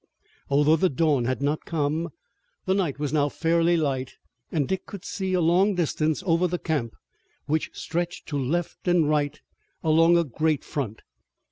Although the dawn had not come, the night was now fairly light and Dick could see a long distance over the camp which stretched to left and right along a great front.